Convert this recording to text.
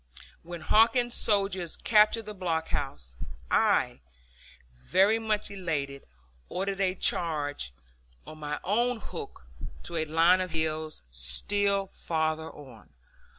When Hawkins's soldiers captured the blockhouse, I, very much elated, ordered a charge on my own hook to a line of hills still farther on.